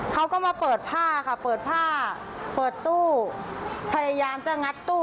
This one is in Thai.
เขาก็มาเปิดผ้าค่ะเปิดผ้าเปิดตู้พยายามจะงัดตู้